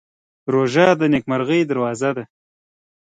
روژه د نېکمرغۍ دروازه ده.